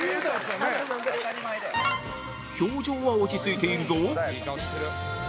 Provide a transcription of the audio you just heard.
表情は落ち着いているぞ